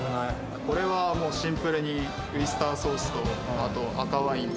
これはもうシンプルに、ウスターソースと、あと赤ワインと。